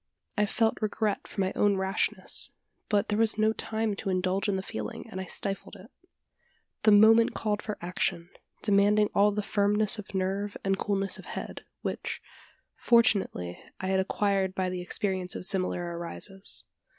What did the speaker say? I felt regret for my own rashness; but there was no time to indulge in the feeling, and I stifled it. The moment called for action demanding all the firmness of nerve and coolness of head which, fortunately, I had acquired by the experience of similar arises.